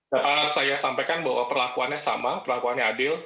dapat saya sampaikan bahwa perlakuannya sama perlakuannya adil